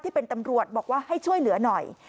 ที่เป็นตำรวจบอกว่าให้ช่วยเหลือหน่อย